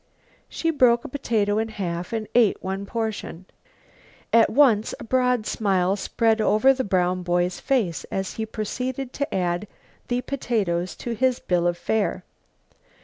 She broke a potato in half and ate one portion. At once a broad smile spread over the brown boy's face as he proceeded to add the potatoes to his bill of fare.